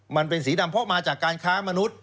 มันเป็นสีดำเพราะมาจากการค้ามนุษย